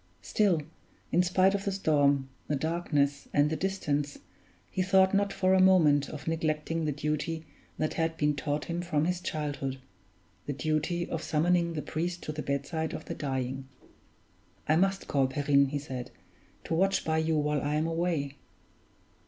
Still, in spite of the storm, the darkness, and the distance, he thought not for a moment of neglecting the duty that had been taught him from his childhood the duty of summoning the priest to the bedside of the dying. "I must call Perrine," he said, "to watch by you while I am away."